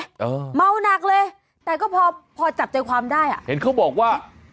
เออเมาหนักเลยแต่ก็พอพอจับใจความได้อ่ะเห็นเขาบอกว่า